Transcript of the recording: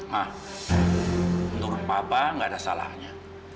ma menurut bapak gak ada salahnya